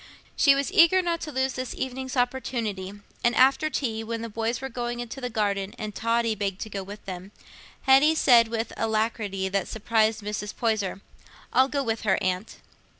She was eager not to lose this evening's opportunity; and after tea, when the boys were going into the garden and Totty begged to go with them, Hetty said, with an alacrity that surprised Mrs. Poyser, "I'll go with her, Aunt."